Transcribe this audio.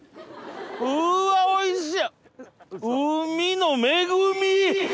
うわおいしい！